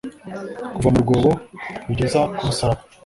Kuva mu rwobo kugeza ku musaraba,